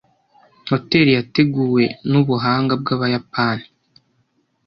Hoteri yateguwe nubuhanga bwabayapani.